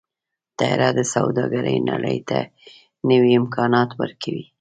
طیاره د سوداګرۍ نړۍ ته نوي امکانات ورکوي.